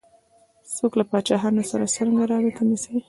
څوک له پاچاهانو سره څرنګه رابطه نیسي.